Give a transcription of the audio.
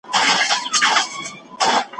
تعليم شوې نجونې د شخړو حل ته قانوني لارې کاروي.